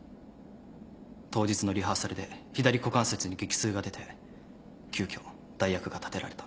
当日のリハーサルで左股関節に激痛が出て急きょ代役が立てられた。